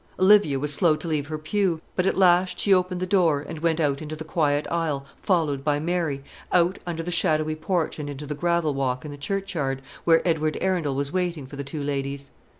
Olivia was slow to leave her pew; but at last she opened the door and went out into the quiet aisle, followed by Mary, out under the shadowy porch and into the gravel walk in the churchyard, where Edward Arundel was waiting for the two ladies.